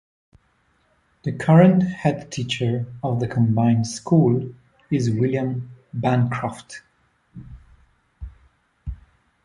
The current headteacher of the combined school is William Bancroft.